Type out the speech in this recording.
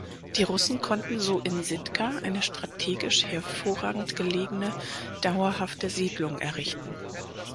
Die Russen konnten so in Sitka eine strategisch hervorragend gelegene, dauerhafte Siedlung errichten.